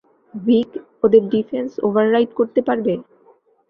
ভিক, ওদের defence override করতে পারবে?